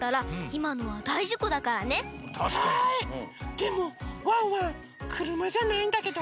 でもワンワンくるまじゃないんだけど。